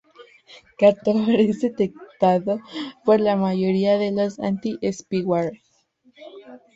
Gator es detectado por la mayoría de los anti-spyware.